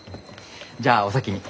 じゃあお先に。